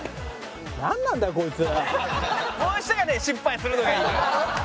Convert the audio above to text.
こういう人がね失敗するのがいいのよ。